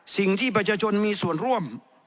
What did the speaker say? สิ่งที่ประชาชนมีส่วนร่วม